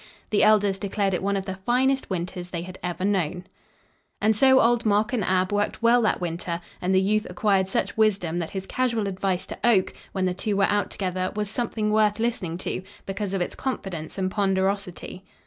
The elders declared it one of the finest winters they had ever known. And so Old Mok and Ab worked well that winter and the youth acquired such wisdom that his casual advice to Oak when the two were out together was something worth listening to because of its confidence and ponderosity.